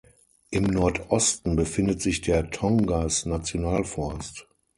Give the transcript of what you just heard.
Im Nordosten befindet sich der Tongass-Nationalforst.